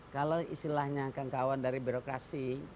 kalau istilahnya kawan kawan dari birokrasi